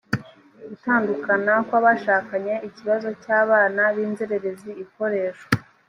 gutandukana kw abashakanye ikibazo cy abana b inzererezi ikoreshwa